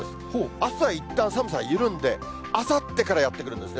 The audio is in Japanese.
あすはいったん寒さが緩んで、あさってからやって来るんですね。